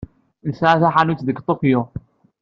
Yesɛa taḥanut deg Tokyo.